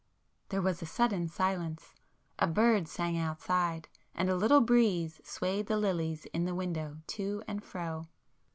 There was a sudden silence. A bird sang outside, and a little breeze swayed the lilies in the window to and fro.